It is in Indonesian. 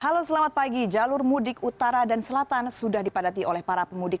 halo selamat pagi jalur mudik utara dan selatan sudah dipadati oleh para pemudik